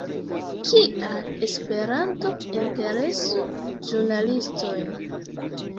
Kial Esperanto interesu ĵurnalistojn?